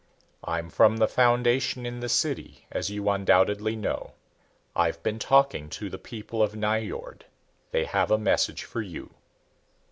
"I'm from the Foundation in the city, as you undoubtedly know. I've been talking to the people of Nyjord. They have a message for you."